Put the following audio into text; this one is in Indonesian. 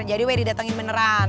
jadi weh didatengin beneran